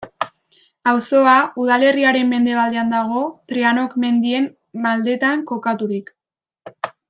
Auzoa, udalerriaren mendebaldean dago Trianoko mendien maldetan kokaturik.